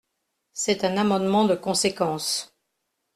C’est un amendement de conséquence.